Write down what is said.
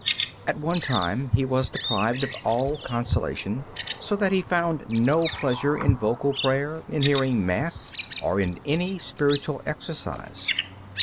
At one time he was deprived of all consolation, so that he found no pleasure in vocal prayer, in hearing Mass, or in any spiritual exercise.